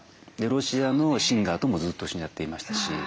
ロシアのシンガーともずっと一緒にやっていましたし。